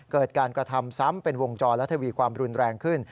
เกิดการกระทำซ้ำเป็นวงจรและทวีความรุนแรงขึ้น